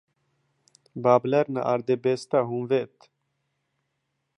Babblarna är det bästa hon vet!